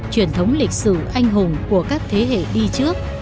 truyền thống lịch sử anh hùng của các thế hệ đi trước